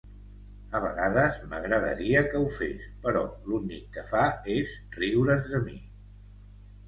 A vegades, m'agradaria que ho fes, però l'únic que fa és riure's de mi.